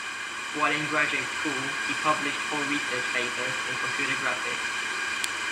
While in graduate school he published four research papers in computer graphics.